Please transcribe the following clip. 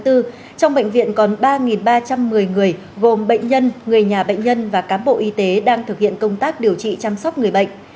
trong bệnh viện còn ba ba trăm một mươi người gồm bệnh nhân người nhà bệnh nhân và cám bộ y tế đang thực hiện công tác điều trị chăm sóc người bệnh